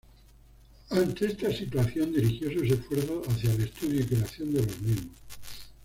Ante esta situación, dirigió sus esfuerzos hacia el estudio y creación de los mismos.